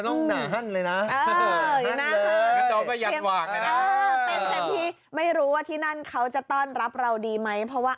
โอ้โหน้ำแข็งไปกว่าเดียวเถอะ